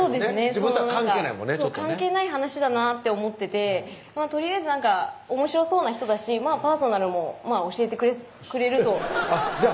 自分とは関係ないもんね関係ない話だなって思っててとりあえずおもしろそうな人だしパーソナルも教えてくれるとじゃあ